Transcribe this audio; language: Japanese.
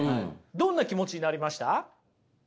どんな気持ちになりました？